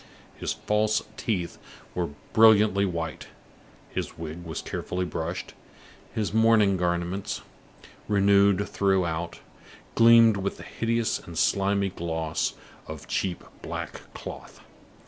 His false teeth were brilliantly white; his wig was carefully brushed; his mourning garments, renewed throughout, gleamed with the hideous and slimy gloss of cheap black cloth.